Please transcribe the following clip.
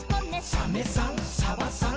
「サメさんサバさん